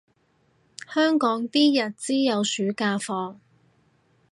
香港啲日資有暑假放